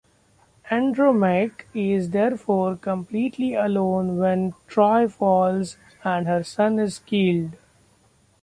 Andromache is therefore completely alone when Troy falls and her son is killed.